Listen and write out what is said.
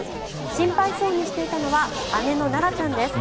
心配そうにしていたのは姉の奈良ちゃんです。